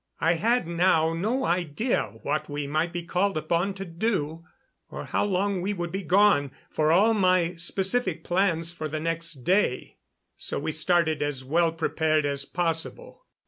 I had now no idea what we might be called upon to do, or how long we would be gone, for all my specific plans for the next day; so we started as well prepared as possible.